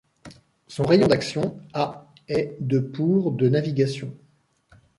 Son rayon d'action à est de pour de navigation.